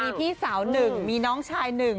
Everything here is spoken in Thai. มีพี่สาว๑มีน้องชาย๑